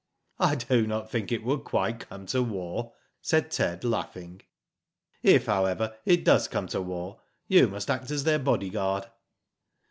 " I do not think it will quite come to war," said Ted, laughing. "If, however, it does come to war, you must act as their bodyguard."